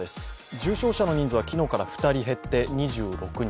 重症者の人数は昨日から２人減って２６人。